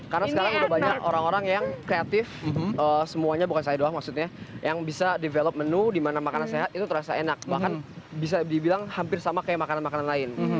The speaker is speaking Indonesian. karena sekarang udah banyak orang orang yang kreatif semuanya bukan saya doang maksudnya yang bisa develop menu dimana makanan sehat itu terasa enak bahkan bisa dibilang hampir sama kayak makanan makanan lain